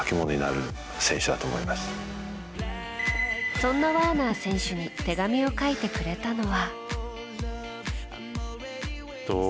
そんなワーナー選手に手紙を書いてくれたのは。